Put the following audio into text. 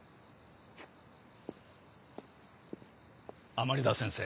甘利田先生。